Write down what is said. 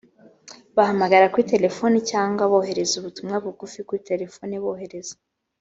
bahamagara kuri telefoni cyangwa bohereza ubutumwa bugufi kuri telefoni bohereza